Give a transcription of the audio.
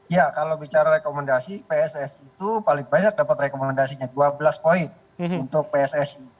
ya kalau bicara rekomendasi pssi itu paling banyak dapat rekomendasinya dua belas poin untuk pssi